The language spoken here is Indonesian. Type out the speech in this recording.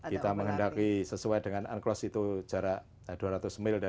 kita menghendaki sesuai dengan unclos itu jarak dua ratus mil dari garis batas wilayah